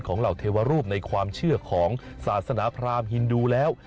เหล่าเทวรูปในความเชื่อของศาสนาพรามฮินดูแล้ว